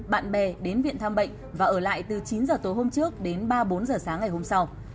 bạn bè đến viện thăm bệnh và ở lại từ chín h tối hôm trước đến ba bốn h sáng ngày hôm sau